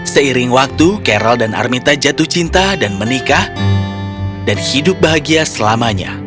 seiring waktu kerol dan armita jatuh cinta dan menikah dan hidup bahagia selamanya